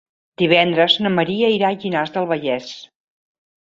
Divendres na Maria irà a Llinars del Vallès.